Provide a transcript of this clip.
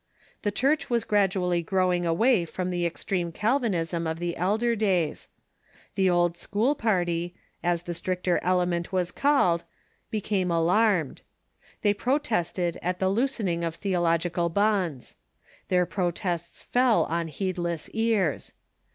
The Church was gradually growing away from the extreme Calvinism of the elder da3^s. The Old School party, as the stricter element was called, became alarm ed. They protested at the loosening of theological bonds. Their protests fell on heedless ears.